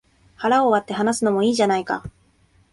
腹を割って話すのもいいじゃないか